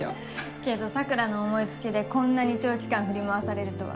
けど桜の思い付きでこんなに長期間振り回されるとは。